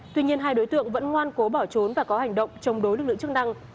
tuy nhiên hai đối tượng vẫn ngoan cố bỏ trốn và có hành động chống đối lực lượng chức năng